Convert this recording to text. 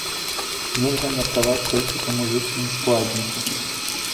Нельга меркаваць толькі па музычным складніку.